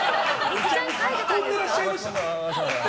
書き込んでらっしゃいましたか。